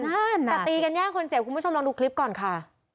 นั่นแต่ตีกันแย่งคนเจ็บคุณผู้ชมลองดูคลิปก่อนค่ะ